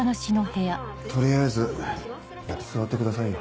取りあえず座ってくださいよ。